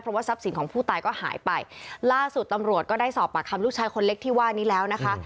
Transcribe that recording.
เพราะว่าทรัพย์สินของผู้ตายก็หายไปล่าสุดตำรวจก็ได้สอบปากคำลูกชายคนเล็กที่ว่านี้แล้วนะคะ